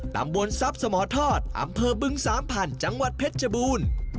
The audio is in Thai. ตำบลทรัพย์สมทอดอำเภอบึงสามพันธุ์จังหวัดเพชรชบูรณ์